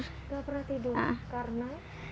nggak pernah tidur karena